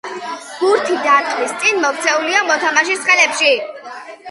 ბურთი დარტყმის წინ მოქცეულია მოთამაშის ხელებში.